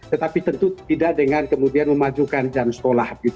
tetapi tentu tidak dengan kemudian memajukan jam sekolah